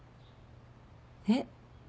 えっ？